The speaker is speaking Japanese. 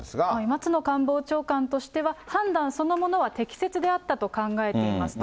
松野官房長官としては、判断そのものは適切であったと考えていますと。